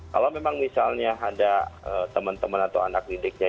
kalau memang misalnya ada teman teman atau anak didiknya